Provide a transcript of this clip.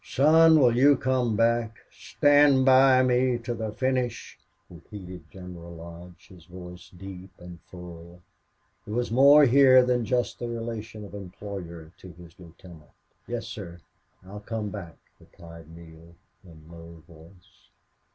"Son, will you come back stand by me till the finish?" repeated General Lodge, his voice deep and full. There was more here than just the relation of employer to his lieutenant. "Yes, sir, I'll come back," replied Neale, in low voice.